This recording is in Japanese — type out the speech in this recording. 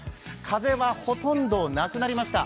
風は、ほとんどなくなりました。